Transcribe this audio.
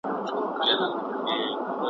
ازل دښمن دی د مظلومانو `